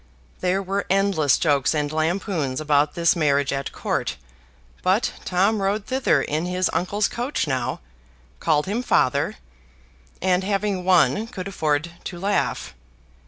There were endless jokes and lampoons about this marriage at Court: but Tom rode thither in his uncle's coach now, called him father, and having won could afford to laugh.